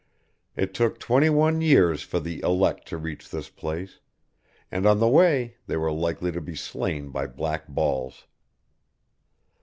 It took twenty one years for the elect to reach this place, and on the way they were likely to be slain by black balls.